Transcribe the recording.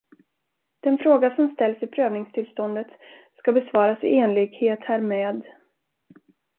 Den fråga som ställs i prövningstillståndet ska besvaras i enlighet härmed.